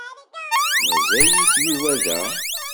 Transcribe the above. Mazal-it Yuba da?